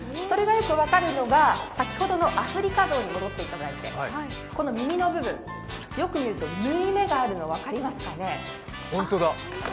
それがよく分かるのが、先ほどのアフリカゾウに戻っていただいてこの耳の部分、よく見ると縫い目があるの分かりますかね。